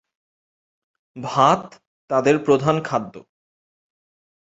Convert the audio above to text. ভাত তাদের প্রধান খাদ্য।